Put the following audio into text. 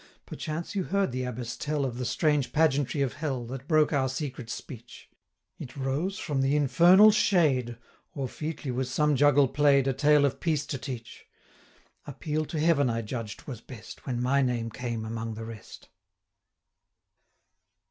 Perchance you heard the Abbess tell Of the strange pageantry of Hell, That broke our secret speech It rose from the infernal shade, 260 Or featly was some juggle play'd, A tale of peace to teach. Appeal to Heaven I judged was best, When my name came among the rest.